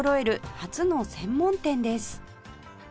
初の専門店です